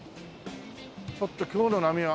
ちょっと今日の波は。